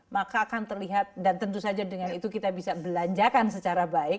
maka akan terlihat dan tentu saja dengan itu kita bisa belanjakan secara baik